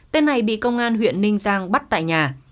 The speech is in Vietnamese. tên này bị công an huyện ninh giang bắt tại nhà